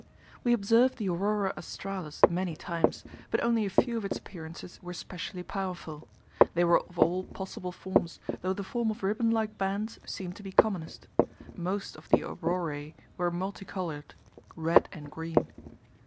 We observed the aurora australis many times, but only a few of its appearances were specially powerful. They were of all possible forms, though the form of ribbon like bands seemed to be commonest. Most of the auroræ were multicoloured red and green.